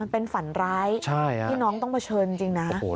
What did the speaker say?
มันเป็นฝันร้ายที่น้องต้องเผชิญจริงนะครับโอ้โฮ